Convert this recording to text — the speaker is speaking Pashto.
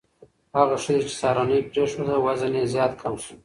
هغه ښځې چې سهارنۍ پرېښوده، وزن یې زیات کم شو.